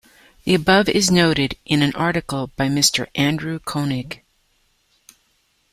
The above is noted in an article by Mr. Andrew Koenig.